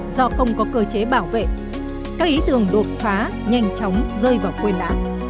do không có cơ chế bảo vệ các ý tưởng đột phá nhanh chóng rơi vào quê lá